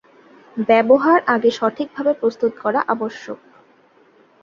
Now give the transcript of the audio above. ব্যবহার আগে সঠিকভাবে প্রস্তুত করা আবশ্যক।